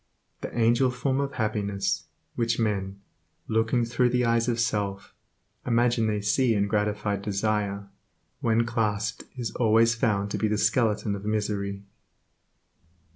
The angel form of happiness, which men, looking through the eyes of self, imagine they see in gratified desire, when clasped is always found to be the skeleton of misery.